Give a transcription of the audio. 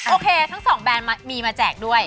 ทั้งสองแบรนด์มีมาแจกด้วย